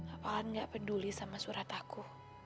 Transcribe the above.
apalagi gak peduli sama surat aku